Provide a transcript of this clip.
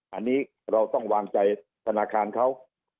อันนี้เราต้องวางใจธนาคารเขา